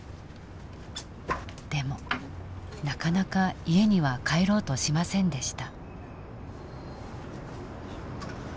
でもなかなか家には帰ろうとしませんでした。